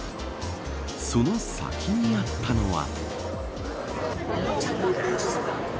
その先にあったのは。